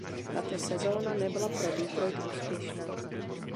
Tato sezóna nebyla pro Detroit úspěšná.